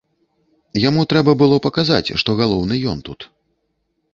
Яму трэба было паказаць, што галоўны ён тут.